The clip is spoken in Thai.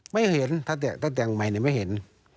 ไม่เห็นถ้าแต่งใหม่ไม่เห็น